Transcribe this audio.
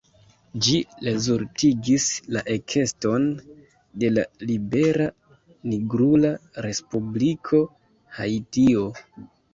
Ĝi rezultigis la ekeston de la libera nigrula respubliko Haitio.